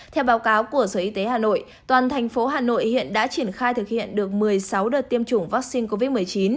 theo báo cáo của sở y tế hà nội toàn thành phố hà nội hiện đã triển khai thực hiện được một mươi sáu đợt tiêm chủng vaccine covid một mươi chín